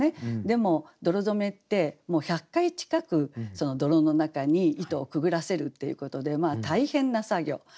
でも泥染めって１００回近く泥の中に糸をくぐらせるっていうことで大変な作業。